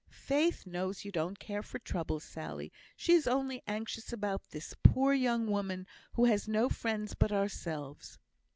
"Faith knows you don't care for trouble, Sally; she is only anxious about this poor young woman, who has no friends but ourselves.